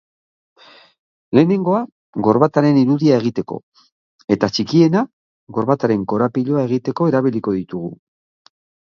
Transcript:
Lehenengoa, gorbataren irudia egiteko eta txikiena, gorbataren korapiloa egiteko erabiliko ditugu.